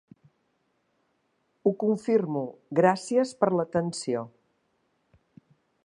Ho confirmo, gràcies per l'atenció.